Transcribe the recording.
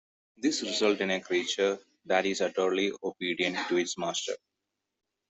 This results in a creature that is utterly obedient to its master.